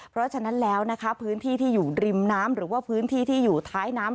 เพราะฉะนั้นแล้วนะคะพื้นที่ที่อยู่ริมน้ำหรือว่าพื้นที่ที่อยู่ท้ายน้ำ